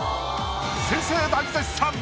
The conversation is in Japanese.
先生大絶賛！